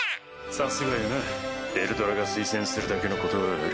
さすがよなヴェルドラが推薦するだけのことはある。